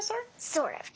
そうだね。